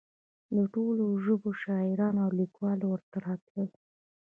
د ټولو ژبو شاعران او لیکوال ورته راتلل.